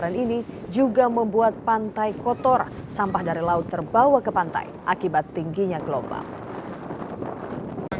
banjir ini juga membuat pantai kotor sampah dari laut terbawa ke pantai akibat tingginya gelombang